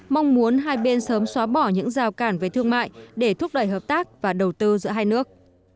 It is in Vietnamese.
mong muốn hai bên sớm xóa bỏ những rào cản về thương mại để thúc đẩy hợp tác và đầu tư giữa hai nước